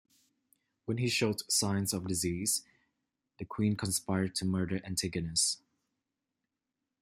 When he showed signs of disease, the queen conspired to murder Antigonus.